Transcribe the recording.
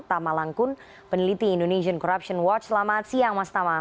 tama langkun peneliti indonesian corruption watch selamat siang mas tama